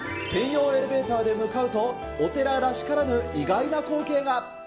専用エレベーターで向かうと、お寺らしからぬ意外な光景が。